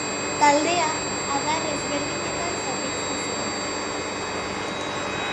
Taldea adar ezberdinetan zatitzen zen.